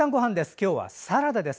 今日はサラダです。